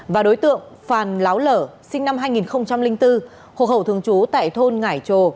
và đối tượng phàn láo lở sinh năm hai nghìn bốn hộ khẩu thường trú tại thôn ngải trồ